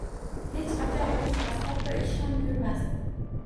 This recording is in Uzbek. Hech qachon urishmas, hatto ish ham buyurmasdi